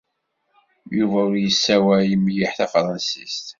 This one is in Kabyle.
Yuba ur yessawal mliḥ tafṛensist.